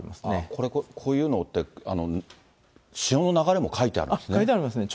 これ、こういうのって、潮の流れも書いてあるんですね？